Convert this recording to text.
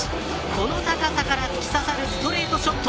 この高さから突き刺さるストレートショット。